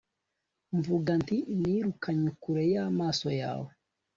mvuga nti nirukanywe kure y'amaso yawe